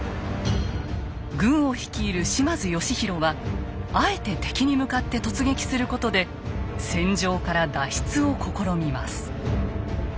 軍を率いる島津義弘はあえて敵に向かって突撃することで戦場から脱出を試みます。